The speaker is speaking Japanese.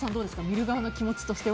見る側の気持ちとして。